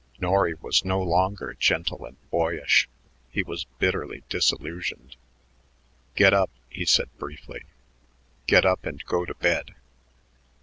Norry was no longer gentle and boyish; he was bitterly disillusioned. "Get up," he said briefly. "Get up and go to bed."